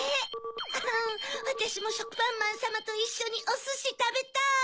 あんわたしもしょくぱんまんさまといっしょにおすしたべたい！